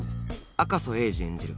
赤楚衛二演じる